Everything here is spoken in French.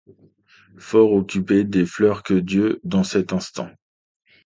Fort occupé des fleurs que Dieu dans cet instant